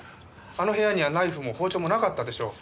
あの部屋にはナイフも包丁もなかったでしょう。